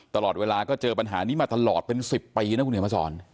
ตลอดเวลาก็เจอปัญหานี้มาตลอดเป็น๑๐ปีนะคุณเห็นมาสอน